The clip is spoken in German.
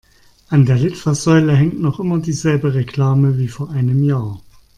An der Litfaßsäule hängt noch immer dieselbe Reklame wie vor einem Jahr.